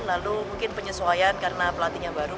lalu mungkin penyesuaian karena pelatihnya baru